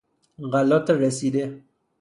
غلات رسیده